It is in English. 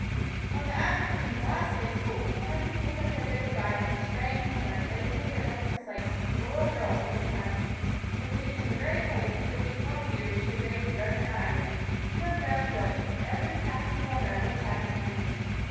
ON the afternoon of the last day of school, when her pupils had said their good bys and were straying homeward laden with their books and slates, the little girl stayed behind. And, sitting in the very place to which in former years she had raised reverent eyes, she looked round the building, every crack and corner of which had its memory.